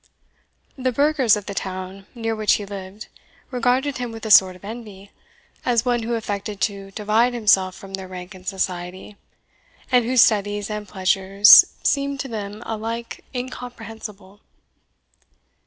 The burghers of the town near which he lived regarded him with a sort of envy, as one who affected to divide himself from their rank in society, and whose studies and pleasures seemed to them alike incomprehensible.